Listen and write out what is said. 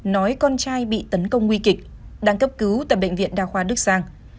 nói con trai bị tấn công nguy kịch đang cấp cứu tại bệnh viện đa khoa đức giang